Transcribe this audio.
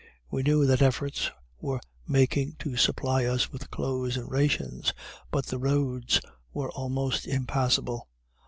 We knew that efforts were making to supply us with clothes and rations, but the roads were almost impassable.